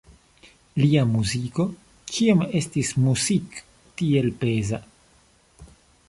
Lia muziko ĉiam estis Musik tiel peza.